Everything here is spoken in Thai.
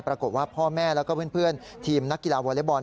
ปรากฏว่าพ่อแม่แล้วก็เพื่อนทีมนักกีฬาวอเล็กบอล